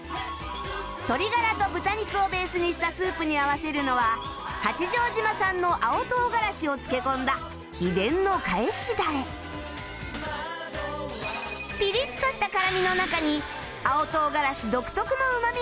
鶏ガラと豚肉をベースにしたスープに合わせるのは八丈島産の青唐辛子をつけ込んだ秘伝のかえしダレピリッとした辛みの中に青唐辛子独特のうまみが広がる